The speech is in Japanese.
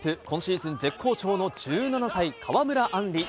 今シーズン絶好調の１７歳川村あん